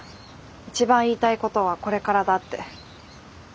一番言いたいことはこれからだって。